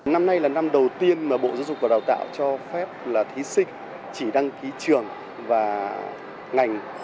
năm nay là năm đầu tiên mà bộ giáo dục và đào tạo cho phép là thí sinh chỉ đăng ký trường và ngành